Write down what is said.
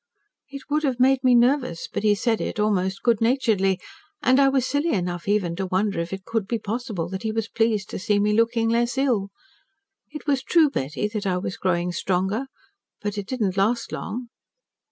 It would have made me nervous, but he said it almost good naturedly, and I was silly enough even to wonder if it could be possible that he was pleased to see me looking less ill. It was true, Betty, that I was growing stronger. But it did not last long."